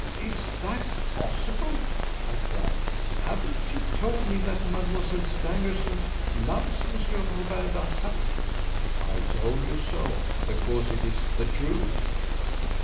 "Is that possible!" I cried. "Haven't you told me that Mademoiselle Stangerson loves Monsieur Robert Darzac?" "I told you so because it is the truth."